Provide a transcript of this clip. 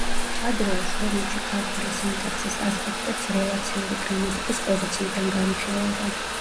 ადრეულ შრომებში ქართული სინტაქსის ასპექტებს რელაციური გრამატიკის პოზიციიდან განიხილავდა.